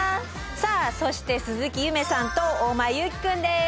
さあそして鈴木夢さんと大前優樹くんです。